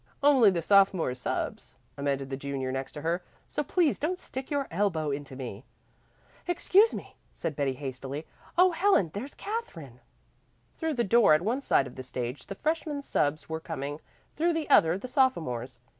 "Only the sophomore subs," amended the junior next to her. "So please don't stick your elbow into me." "Excuse me," said Betty hastily. "Oh Helen, there's Katherine!" Through the door at one side of the stage the freshman subs were coming, through the other the sophomores.